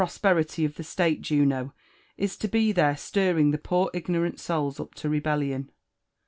S16 perity of the Stsite, Juno, is to be Ihore stirring the poor ignorant souls op to rebellion.